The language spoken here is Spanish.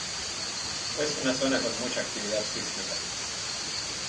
Es una zona con mucha actividad sísmica.